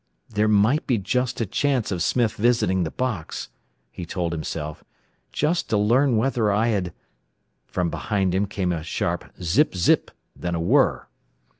"There might be just a chance of Smith visiting the box," he told himself, "just to learn whether I had " From behind him came a sharp "zip, zip," then a whirr.